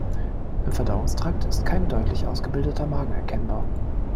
Im Verdauungstrakt ist kein deutlich ausgebildeter Magen erkennbar.